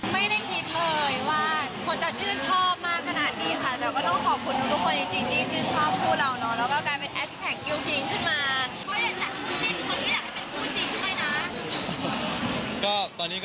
ไม่ได้คิดเลยว่าคนจะชื่นชอบมากขนาดนี้ค่ะ